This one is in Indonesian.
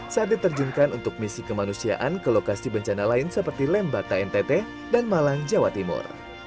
saat diterjunkan untuk misi kemanusiaan ke lokasi bencana lain seperti lembata ntt dan malang jawa timur